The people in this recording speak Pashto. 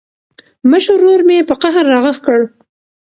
مشر ورور مې په قهر راغږ کړ.